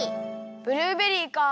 ブルーベリーか。